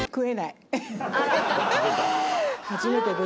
初めてです。